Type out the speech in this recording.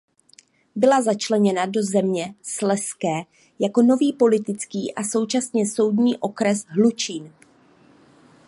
Byla začleněna do země Slezské jako nový politický a současně soudní okres Hlučín.